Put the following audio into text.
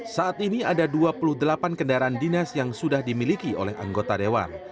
saat ini ada dua puluh delapan kendaraan dinas yang sudah dimiliki oleh anggota dewan